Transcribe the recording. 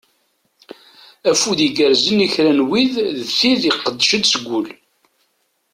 Afud igerzen i kra n wid d tid iqeddcen seg ul.